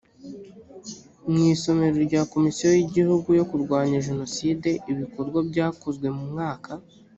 mu isomero rya komisiyo y gihugu yo kurwanya jenoside ibikorwa byakozwe mu mwaka